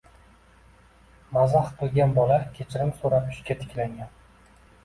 Mazah kilgan bola kechirim so'rab, ishga tiklangan.